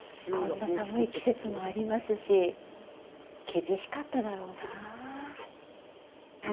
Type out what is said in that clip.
こんな寒い季節もありますし、厳しかっただろうなあ。